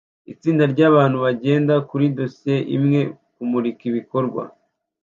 Itsinda ryabantu bagenda muri dosiye imwe kumurikabikorwa